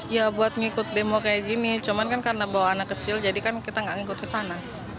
ya buat ngikut demo kayak gini cuman kan karena bawa anak kecil jadi kan kita nggak ngikut ke sana